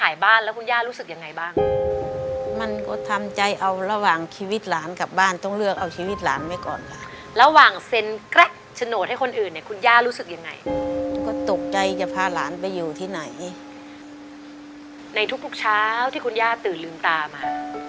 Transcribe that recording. ญอยอย่าลืมตามา